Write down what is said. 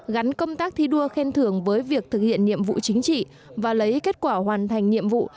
gắn công tác thi đua khen thưởng với việc thực hiện nhiệm vụ chính trị và lấy kết quả hoàn thành nhiệm vụ